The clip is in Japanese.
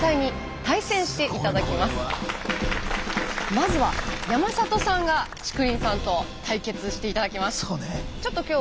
まずは山里さんがチクリンさんと対決して頂きます。